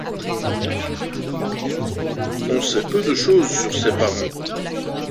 On sait peu de choses sur ses parents.